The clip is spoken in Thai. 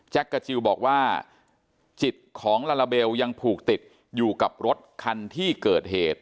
กาจิลบอกว่าจิตของลาลาเบลยังผูกติดอยู่กับรถคันที่เกิดเหตุ